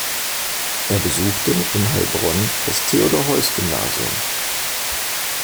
Er besuchte in Heilbronn das Theodor-Heuss-Gymnasium.